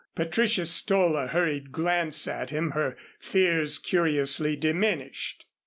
Patricia stole a hurried glance at him, her fears curiously diminished.